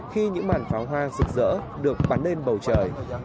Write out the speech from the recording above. khi những màn pháo hoa rực rỡ được bắn lên bầu trời